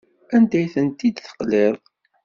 Anda ay tent-id-teqliḍ?